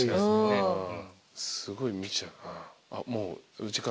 すごい見ちゃうな。